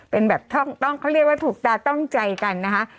เป็นแบบต้องเขาเรียกว่าถูกตาต้องใจกันนะคะ